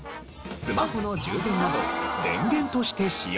スマホの充電など電源として使用。